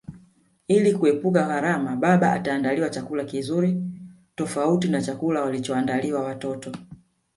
Ili kuepuka gharama baba ataandaliwa chakula kizuri tofauti na chakula walichoandaliwa watoto